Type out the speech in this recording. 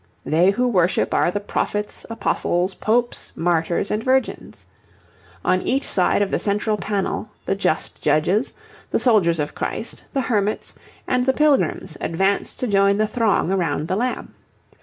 They who worship are the prophets, apostles, popes, martyrs, and virgins. On each side of the central panel the just judges, the soldiers of Christ, the hermits, and the pilgrims, advance to join the throng around the Lamb.